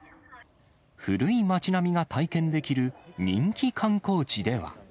古い町並みが体験できる人気観光地では。